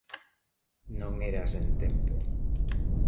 Non era sen tempo.